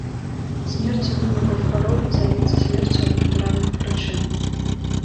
Смерць у выніку хваробы завецца смерцю ад натуральных прычын.